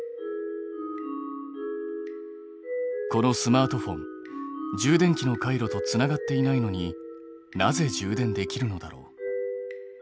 このスマートフォン充電器の回路とつながっていないのになぜ充電できるのだろう？